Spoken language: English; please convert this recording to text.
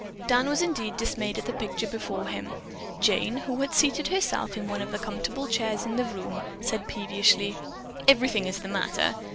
Dan was indeed dismayed at the picture before him. Jane, who had seated herself in the one comfortable chair in the room, said peevishly: "Everything is the matter.